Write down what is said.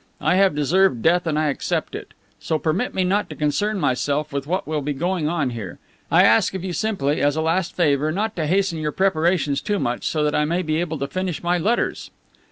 I have deserved death and I accept it. So permit me not to concern myself with what will be going on here. I ask of you simply, as a last favor, not to hasten your preparations too much, so that I may be able to finish my letters."